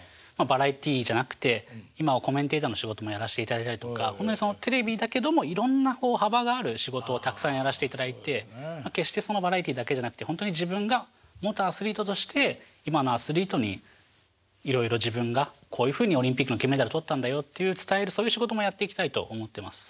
バラエティーじゃなくて今はコメンテーターの仕事もやらせていただいたりとかテレビだけどもいろんな幅がある仕事をたくさんやらせていただいて決してバラエティーだけじゃなくてほんとに自分が元アスリートとして今のアスリートにいろいろ自分がこういうふうにオリンピックの金メダル取ったんだよっていう伝えるそういう仕事もやっていきたいと思ってます。